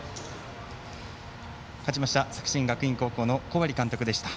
勝ちました、作新学院高校の小針監督でした。